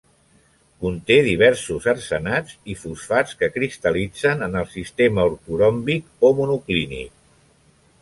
Conté diversos arsenats i fosfats que cristal·litzen en el sistema ortoròmbic o monoclínic.